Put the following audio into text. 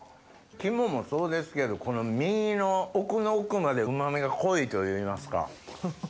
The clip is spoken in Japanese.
肝もそうですけどこの身の奥の奥までうま味が濃いといいますか。